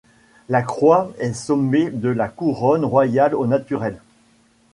La croix est sommée de la couronne royale au naturel.